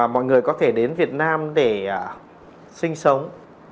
mọi người có thể đến việt nam để sinh sống